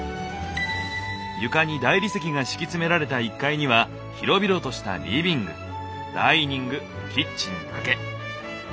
床に大理石が敷き詰められた１階には広々としたリビングダイニングキッチンだけ。